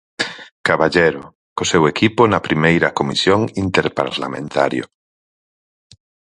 Caballero co seu equipo na primeira comisión interparlamentario.